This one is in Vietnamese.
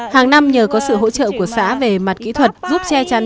hàng năm nhờ có sự hỗ trợ của xã về mặt kỹ thuật giúp che chắn